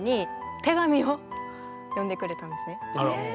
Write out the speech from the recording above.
あら。